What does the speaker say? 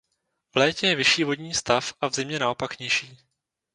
V létě je vyšší vodní stav a v zimě naopak nižší.